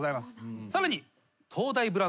さらに。